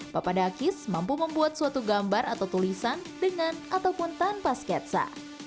papadakis mampu membuat suatu gambar atau tulisan dengan ataupun tanpa sketsa